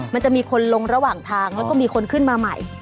มันจะมีคนลงระหว่างทางแล้วก็มีคนขึ้นมาใหม่